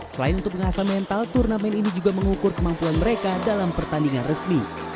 selain untuk pengasa mental turnamen ini juga mengukur kemampuan mereka dalam pertandingan resmi